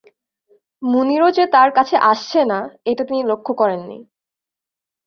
মুনিরও যে তাঁর কাছে আসছে না, এটা তিনি লক্ষ করেন নি।